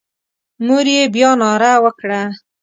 مور یې بیا ناره وکړه.